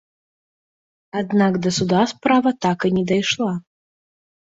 Аднак да суда справа так і не дайшла.